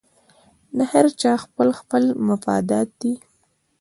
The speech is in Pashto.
د هر چا خپل خپل مفادات دي